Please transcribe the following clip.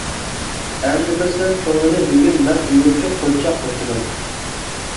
ئەمدى بىلسەم كۆڭلىنى بۈگۈن، مەن ئويۇنچۇق قونچاق بوپتىمەن.